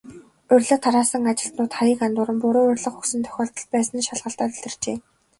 Урилга тараасан ажилтнууд хаяг андууран, буруу урилга өгсөн тохиолдол байсан нь шалгалтаар илэрчээ.